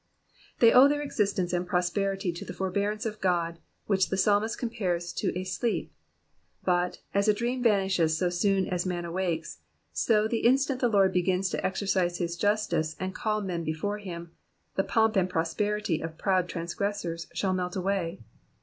They owe their existence and prosperity to the forbearance of God, which the psalmist compares to a sleep ; but, as a dream vanishes so soon as a man awakes, so the instant the Lord begins to exercis« his justice and call men before him, the pomp and prosperity of proud trans gressors shall melt away.